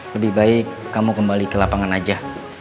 lebih baik kamu kembali ke lapangan aja